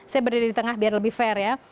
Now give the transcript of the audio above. saya berdiri di tengah biar lebih fair ya